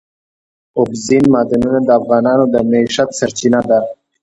اوبزین معدنونه د افغانانو د معیشت سرچینه ده.